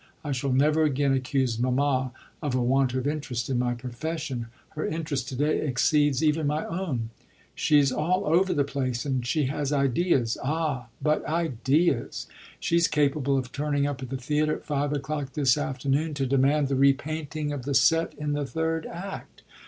I shall never again accuse mamma of a want of interest in my profession. Her interest to day exceeds even my own. She's all over the place and she has ideas ah but ideas! She's capable of turning up at the theatre at five o'clock this afternoon to demand the repainting of the set in the third act.